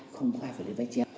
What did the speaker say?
không phải phải lên máy chém